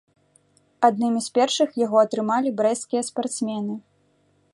Аднымі з першых яго атрымалі брэсцкія спартсмены.